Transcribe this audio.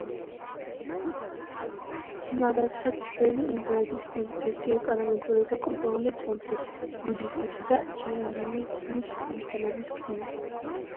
მაგადჰა ძველი ინდოეთის უდიდესი ეკონომიკური და კულტურული ცენტრი, ბუდიზმისა და ჯაინიზმის გავრცელების კერა.